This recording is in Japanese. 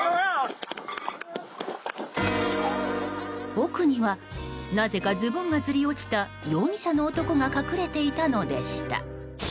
奥にはなぜかズボンがずり落ちた容疑者の男が隠れていたのでした。